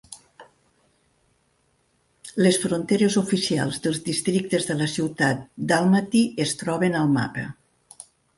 Les fronteres oficials dels districtes de la ciutat d'Almaty es troben al mapa.